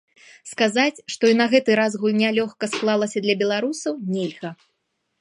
Сказаць, што і на гэты раз гульня лёгка склалася для беларусаў, нельга.